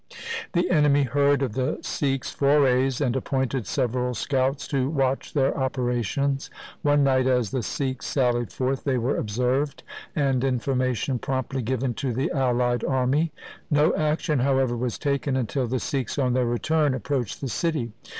The enemy heard of the Sikhs' forays, and ap pointed several scouts to watch their operations. One night, as the Sikhs sallied forth, they were observed and information promptly given to the allied army. No action, however, was taken until the Sikhs on their return approached the city.